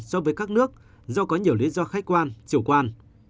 so với các nước do có nhiều lý do khách quan chủ quan